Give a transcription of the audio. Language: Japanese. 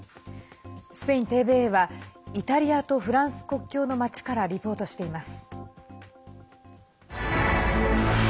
スペインＴＶＥはイタリアとフランス国境の町からリポートしています。